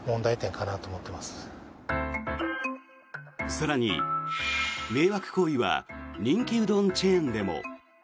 更に、迷惑行為は人気うどんチェーンでも。